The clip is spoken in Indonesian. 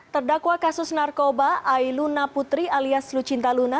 terdakwa kasus narkoba ailuna putri alias lucinta luna